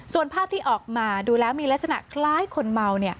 ส่วนภาพที่ออกมาดูแล้วมีลักษณะคล้ายคนเมา